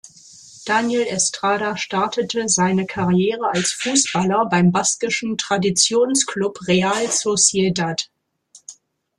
Daniel Estrada startete seine Karriere als Fußballer beim baskischen Traditionsclub Real Sociedad.